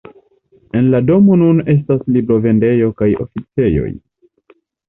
En la domo nun estas librovendejo kaj oficejoj.